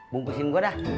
bungkusin gue dah